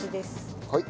はい。